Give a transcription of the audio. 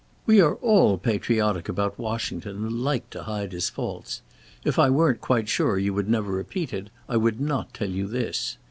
We are all patriotic about Washington and like to hide his faults. If I weren't quite sure you would never repeat it, I would not tell you this.